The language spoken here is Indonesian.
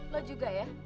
lo juga ya